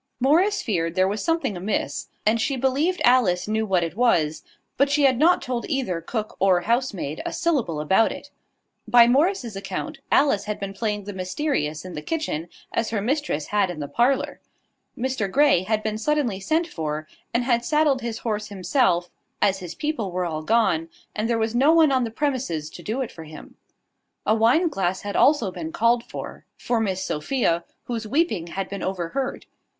Morris feared there was something amiss; and she believed Alice knew what it was: but she had not told either cook or housemaid a syllable about it. By Morris's account, Alice had been playing the mysterious in the kitchen as her mistress had in the parlour. Mr Grey had been suddenly sent for, and had saddled his horse himself, as his people were all gone, and there was no one on the premises to do it for him. A wine glass had also been called for, for Miss Sophia, whose weeping had been overheard.